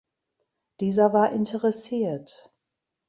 Dieser war interessiert.